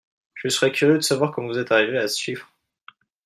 Je serais curieux de savoir comment vous êtes arrivé à ce chiffre